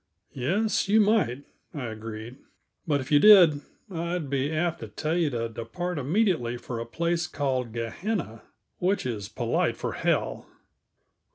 "Yes, you might," I agreed. "But, if you did, I'd be apt to tell you to depart immediately for a place called Gehenna which is polite for hell."